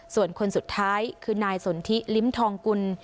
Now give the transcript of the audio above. ส่วนคนสุดท้ายคือนายสนทิลิ้มทองกุล